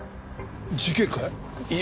事件かい？